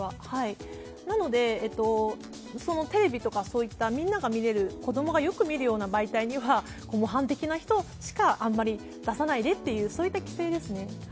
なので、テレビとかそういったみんなが見られる、子供がよく見る媒体には模範的な人しかあまり出さないでという規制ですね。